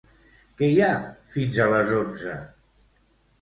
Què hi ha fins a les onze?